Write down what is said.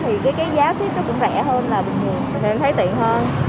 thì cái giá shipper cũng rẻ hơn là bình thường nên thấy tiện hơn